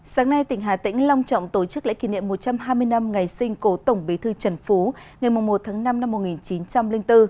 sáng nay tỉnh hà tĩnh long trọng tổ chức lễ kỷ niệm một trăm hai mươi năm ngày sinh cổ tổng bế thư trần phú ngày một tháng năm năm một nghìn chín trăm linh bốn